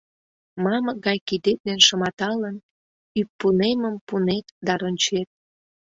Мамык гай кидет ден шыматалын, ӱппунемым пунет да рончет.